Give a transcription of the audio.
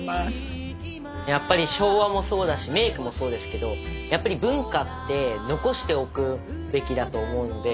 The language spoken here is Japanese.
やっぱり昭和もそうだしメークもそうですけどやっぱり文化って残しておくべきだと思うので。